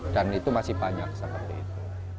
dan itu masih banyak seperti itu